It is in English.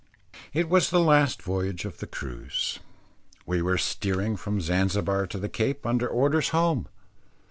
It was the last voyage of the cruise. We were steering from Zanzibar to the Cape, under orders home.